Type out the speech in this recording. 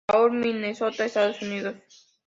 Paul, Minnesota, Estados Unidos.